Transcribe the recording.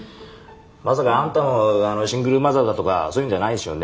まさかあんたもシングルマザーだとかそういうんじゃないでしょうね？